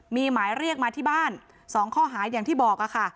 มีหมายเรียกมาที่บ้าน๒ข้อหาอย่างที่บอกค่ะ